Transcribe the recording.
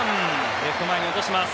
レフト前に落とします。